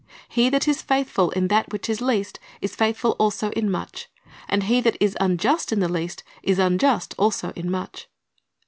"He that is faithful in that which is least is faithful also in much; and he that is unjust in the least is unjust also in much."'